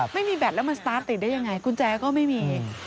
ไม่มีแบตแล้วมันสตาร์ทติดได้ยังไงกุญแจก็ไม่มี